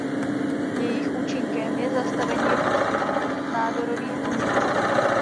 Jejich účinkem je zastavení růstu nádorových buněk.